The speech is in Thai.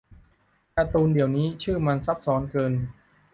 การ์ตูนเดี๋ยวนี้ชื่อมันซับซ้อนเกินนะ